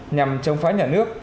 nhằm chống phá nhà nước